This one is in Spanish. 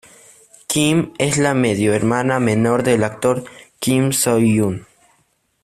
Kim es la medio-hermana menor del actor Kim Soo-hyun.